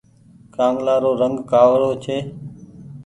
ڪآنگلآ رو رنگ ڪآڙو ڇي۔